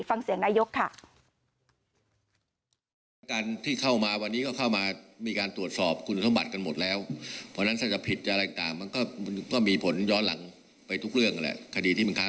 ฟังเสียงนายกค่ะ